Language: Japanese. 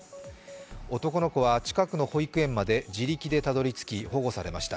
男の子は近くの保育園まで地力でたどり着き保護されました。